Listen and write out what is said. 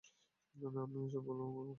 আমি এসব বললাম কারণ সব সত্যি।